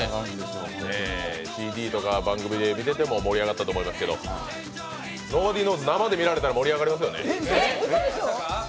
ＣＤとか番組で見てても盛り上がったと思いますがｎｏｂｏｄｙｋｎｏｗｓ＋、生で見られたら盛り上がりますよね。